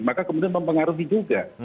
maka kemudian mempengaruhi juga